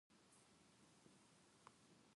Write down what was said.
魂が生きてくなら